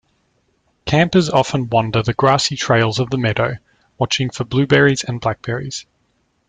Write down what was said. Campers often wander the grassy trails of the meadow, watching for blueberries and blackberries.